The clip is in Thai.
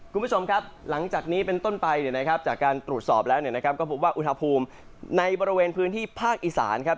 คุณผู้ชมครับหลังจากนี้เป็นต้นไปเนี่ยนะครับจากการตรวจสอบแล้วเนี่ยนะครับก็พบว่าอุณหภูมิในบริเวณพื้นที่ภาคอีสานครับ